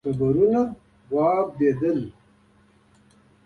ټغرونه واوبدل